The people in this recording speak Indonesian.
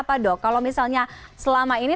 apa dok kalau misalnya selama ini